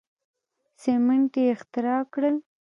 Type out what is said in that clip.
سیمنټ یې اختراع کړل.